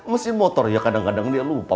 mesin motor ya kadang kadang dia lupa